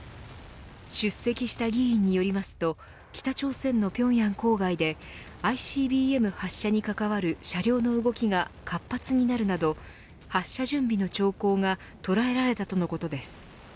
出席した議員によりますと北朝鮮の平壌郊外でＩＣＢＭ発射に関わる車両の動きが活発になるなど発射準備の兆候がとらえられたとのことです。